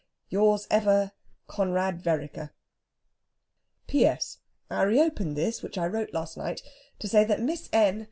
"Yours ever, "CONRAD VEREKER. "P.S. I reopen this (which I wrote late last night) to say that Miss N.